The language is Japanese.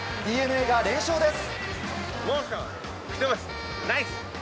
ＤｅＮＡが連勝です。